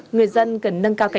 người dân cần nâng cao thông tin